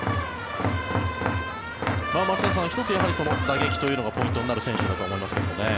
松坂さん、１つ打撃というのがポイントになる選手だと思いますけどね。